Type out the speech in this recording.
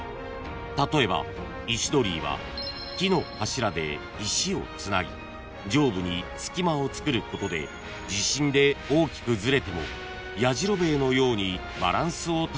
［例えば石鳥居は木の柱で石をつなぎ上部に隙間をつくることで地震で大きくずれてもやじろべえのようにバランスを保つことができるという］